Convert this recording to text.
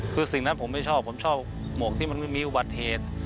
คือสิ่งนั้นผมไม่ชอบผมชอบหมวกที่มันไม่มีอุบัติเหตุ